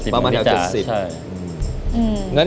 ประมาณแถว๗๐